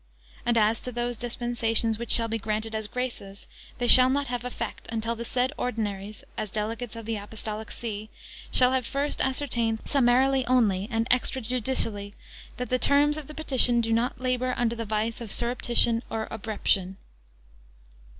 And as to those dispensations which shall be granted as graces, they shall not have effect, until the said Ordinaries, as delegates of the Apostolic See, shall have first ascertained summarily only and extra judicially, that the terms of the petition do not labour under the vice of surreption or obreption.